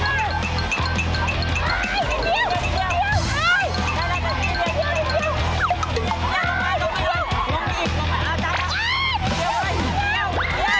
อีกแล้ว